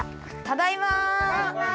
ただいま！